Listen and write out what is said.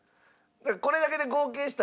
これだけで合計したら。